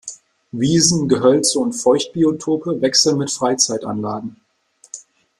Wiesen, Gehölze und Feuchtbiotope wechseln mit Freizeitanlagen.